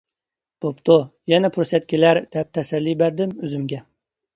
بوپتۇ، يەنە پۇرسەت كېلەر دەپ تەسەللى بەردىم ئۆزۈمگە.